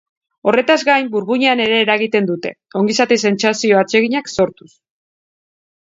Horretaz gain burmuinean ere eragiten dute, ongizate sentsazio atseginak sortuz.